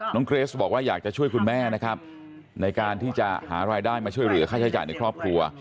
เกรสบอกว่าอยากจะช่วยคุณแม่นะครับในการที่จะหารายได้มาช่วยเหลือค่าใช้จ่ายในครอบครัว